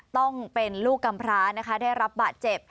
ต้องเป็นลูกกำพร้านะคะได้รับบาดเจ็บ